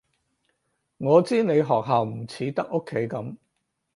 我知你學校唔似得屋企噉